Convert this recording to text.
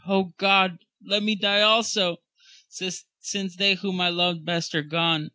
Oh God ! let me die also, since they whom I loved best are gone.